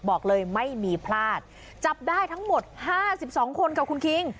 บอกเลยไม่มีพลาดจับได้ทั้งหมดห้าสิบสองคนกับคุณคิง